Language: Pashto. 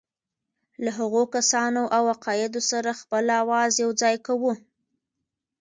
له هغو کسانو او عقایدو سره خپل آواز یوځای کوو.